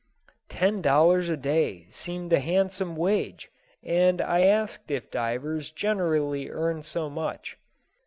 "] Ten dollars a day seemed a handsome wage, and I asked if divers generally earn so much.